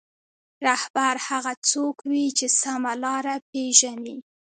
رهبر هغه څوک وي چې سمه لاره پېژني.